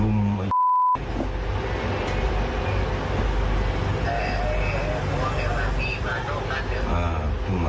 อืม